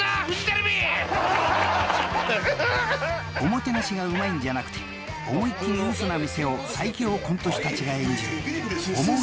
［おもてなしがうまいんじゃなくて思いっきりウソな店を最強コント師たちが演じるオモウソい店ＧＰ］